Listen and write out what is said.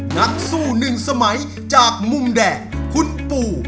นักสู้หนึ่งสมัยจากมุมแดงคุณปู่